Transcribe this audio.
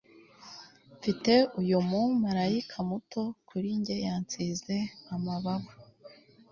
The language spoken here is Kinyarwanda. Mfite uyu mumarayika muto Kuri njye yansize amababa